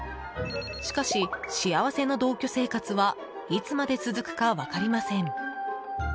しかし、幸せな同居生活はいつまで続くか分かりません。